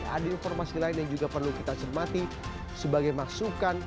ada informasi lain yang juga perlu kita cermati sebagai masukan